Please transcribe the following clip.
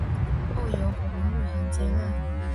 后由黄玉衡接任。